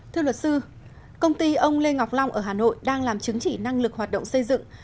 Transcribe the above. thưa luật sư công ty ông lê ngọc long ở hà nội đang làm chứng chỉ năng lực hoạt động xây dựng